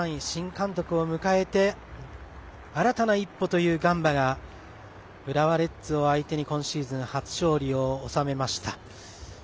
新監督を迎えて新たな一歩というガンバが浦和レッズを相手に今シーズン初勝利を収めました。